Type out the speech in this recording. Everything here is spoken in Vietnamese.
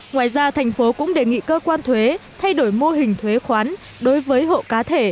ngoài ra thành phố cũng đề nghị cơ quan thuế thay đổi mô hình thuế khoán đối với hộ cá thể